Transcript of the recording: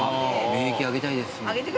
免疫上げたいです。